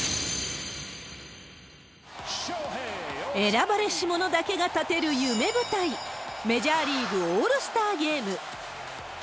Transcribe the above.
選ばれしものだけが立てる夢舞台、メジャーリーグオールスターゲーム。